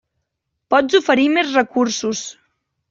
Pots oferir més recursos.